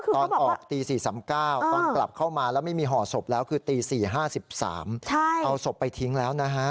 ตอนออกตี๔๓๙ตอนกลับเข้ามาแล้วไม่มีห่อศพแล้วคือตี๔๕๓เอาศพไปทิ้งแล้วนะฮะ